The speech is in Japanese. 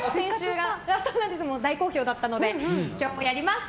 大好評だったので今日もやります。